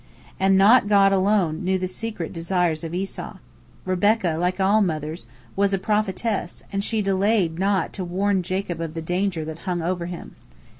And not God alone knew the secret desires of Esau. Rebekah, like all the Mothers, was a prophetess, and she delayed not to warn Jacob of the danger that hung over him.